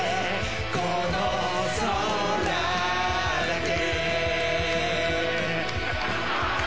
この空だけ